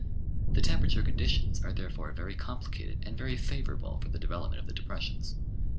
The temperature conditions are therefore very complicated and very favourable for the development of the depressions.